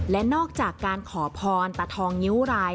และนอกจากการขอพรตาทองนิ้วราย